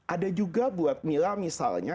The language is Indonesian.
ada juga buat mila misalnya